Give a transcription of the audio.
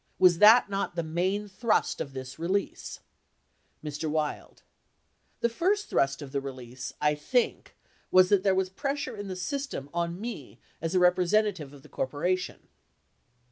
Was that not the main thrust of this release ? Mr. Wild. The first thrust of the release, I think, was that there was pressure in the system on me as a representative of the corporation.